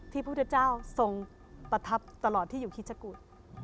พระพุทธเจ้าทรงประทับตลอดที่อยู่คิชกุฎ